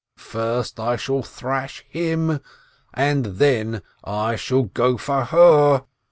First I shall thrash him, and then I shall go for her!